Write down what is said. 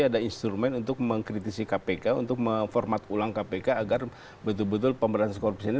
ada instrumen untuk mengkritisi kpk untuk memformat ulang kpk agar betul betul pemberantasan korupsi ini